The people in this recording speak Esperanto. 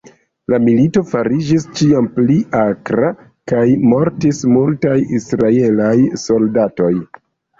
La milito fariĝis ĉiam pli akra, kaj mortis multaj Israelaj soldatoj.